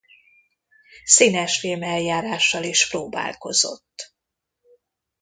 Színesfilm-eljárással is próbálkozott.